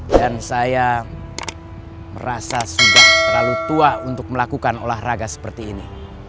dan saya merasa sudah terlalu tua untuk melakukan olahraga seperti ini